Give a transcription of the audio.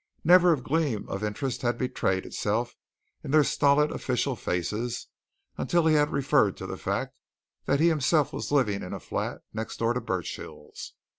Never a gleam of interest had betrayed itself in their stolid official faces until he had referred to the fact that he himself was living in a flat next door to Burchill's.